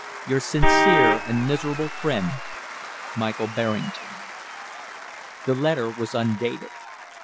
"Your sincere and miserable friend, MICHAEL BERRINGTON." The letter was undated.